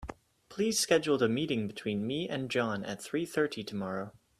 Please schedule a meeting between me and John at three thirty tomorrow.